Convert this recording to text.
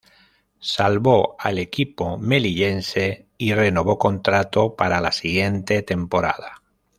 Salvó al equipo melillense y renovó contrato para la siguiente temporada.